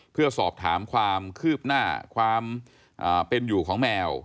เพื่อสอบถามความคืบหน้าความเป็นอยู่ของแมว